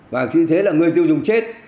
và chính thế là người tiêu dùng chết